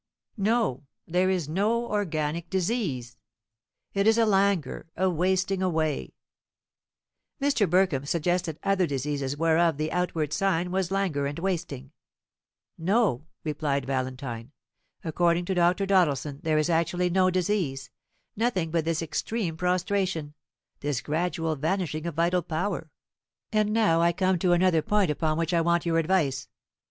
"No; there is no organic disease. It is a languor a wasting away." Mr. Burkham suggested other diseases whereof the outward sign was languor and wasting. "No," replied Valentine; "according to Dr. Doddleson there is actually no disease nothing but this extreme prostration this gradual vanishing of vital power. And now I come to another point upon which I want your advice.